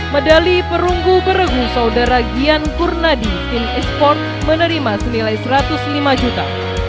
medali perunggu beregu saudara gian kurnadi tim e sport menerima senilai satu ratus lima juta